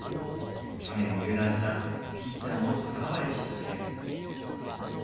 去年入団したピッチャーの高林翔。